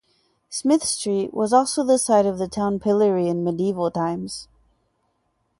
Smith Street was also the site of the town pillory in medieval times.